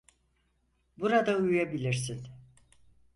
Burada uyuyabilirsin.